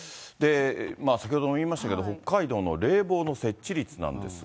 先ほども言いましたけど、北海道の冷房の設置率なんですが。